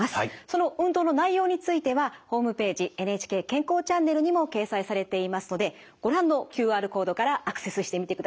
その運動の内容についてはホームページ「ＮＨＫ健康チャンネル」にも掲載されていますのでご覧のＱＲコードからアクセスしてみてください。